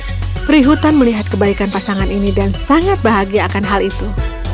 pertama putri hutan melihat kebaikan pasangan ini dan sangat bahagia akan hal itu